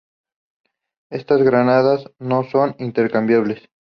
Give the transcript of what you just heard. Estas granadas "no" son intercambiables.